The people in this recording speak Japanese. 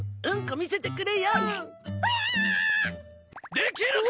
できるか！